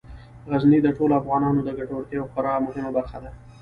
غزني د ټولو افغانانو د ګټورتیا یوه خورا مهمه برخه ده.